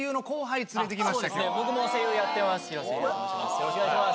よろしくお願いします。